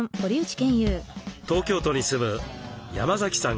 東京都に住む山崎さん